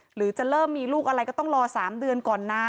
หรือจะเริ่มมีลูกอะไรก็ต้องรอ๓เดือนก่อนนะ